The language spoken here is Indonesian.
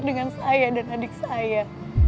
dengan saya dan adik saya